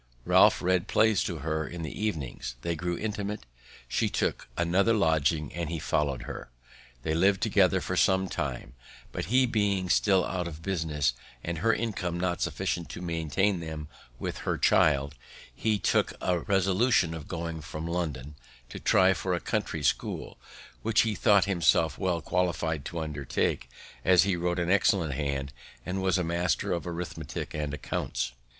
Ralph read plays to her in the evenings, they grew intimate, she took another lodging, and he followed her. They liv'd together some time; but, he being still out of business, and her income not sufficient to maintain them with her child, he took a resolution of going from London, to try for a country school, which he thought himself well qualified to undertake, as he wrote an excellent hand, and was a master of arithmetic and accounts.